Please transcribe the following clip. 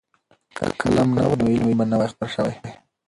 که قلم نه وای نو علم به نه وای خپور شوی.